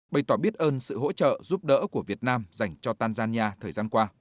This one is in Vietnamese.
bày tỏ biết ơn sự hỗ trợ giúp đỡ của việt nam dành cho tanzania thời gian qua